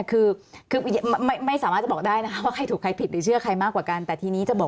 คือไม่สามารถจะบอกได้นะครับ